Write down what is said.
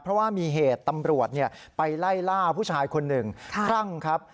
เพราะว่ามีเหตุตำรวจไปไล่ล่าผู้ชายคนหนึ่งคลั่งครับ